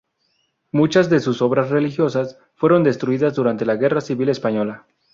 Muchas de sus obras religiosas fueron destruidas durante la Guerra Civil Española.